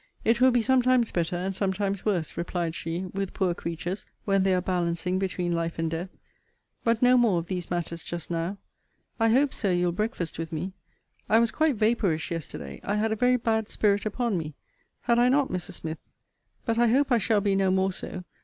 It will be sometimes better, and sometimes worse, replied she, with poor creatures, when they are balancing between life and death. But no more of these matters just now. I hope, Sir, you'll breakfast with me. I was quite vapourish yesterday. I had a very bad spirit upon me. Had I not, Mrs. Smith? But I hope I shall be no more so.